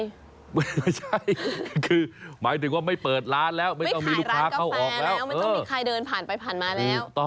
ไม่ใช่คือหมายถึงว่าไม่เปิดร้านแล้วไม่ต้องมีลูกค้าเข้าออกแล้วไม่ต้องมีใครเดินผ่านไปผ่านมาแล้ว